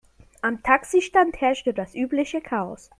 Am Taxistand herrschte das übliche Chaos.